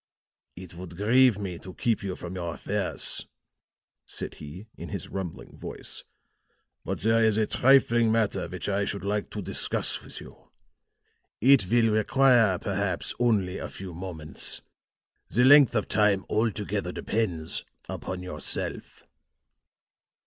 "It would grieve me to keep you from your affairs," said he in his rumbling voice, "but there is a trifling matter which I should like to discuss with you. It will require, perhaps, only a few moments. The length of time altogether depends upon yourself."